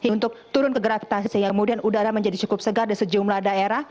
untuk turun ke gravitasi sehingga kemudian udara menjadi cukup segar